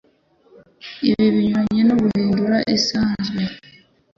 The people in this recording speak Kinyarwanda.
Ibi binyuranye na gahunda isanzwe :